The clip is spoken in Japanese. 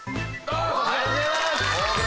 ありがとうございます。